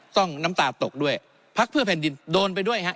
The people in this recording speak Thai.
น้ำตาตกด้วยพักเพื่อแผ่นดินโดนไปด้วยฮะ